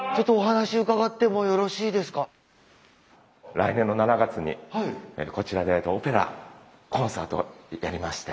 来年の７月にこちらでオペラコンサートやりまして。